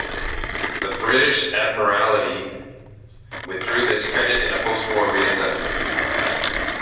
The British Admiralty withdrew this credit in a post-war reassessment.